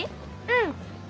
うん。